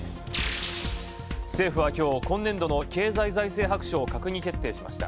政府は今日、経済財政白書を閣議決定しました。